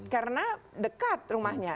karena dekat rumahnya